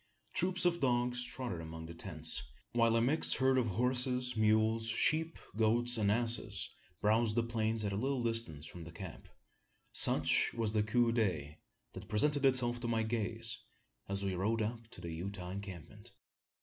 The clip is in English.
Troops of dogs trotted among the tents; while a mixed herd of horses, mules, sheep, goats, and asses browsed the plain at a little distance from the camp. Such was the coup d'oeil that presented itself to my gaze, as we rode up to the Utah encampment.